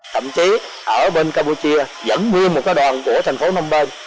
thậm chí ở bên campuchia dẫn nguyên một đoàn của thành phố nông bên